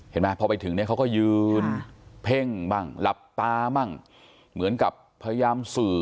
เห็นไหมพอไปถึงเนี่ยเขาก็ยืนเพ่งบ้างหลับตาบ้างเหมือนกับพยายามสื่อ